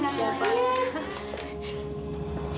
hei siapa ini tuh